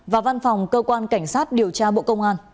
và văn phòng cơ quan cảnh sát điều tra bộ công an